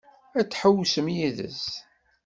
Ad tḥewwsem yid-s?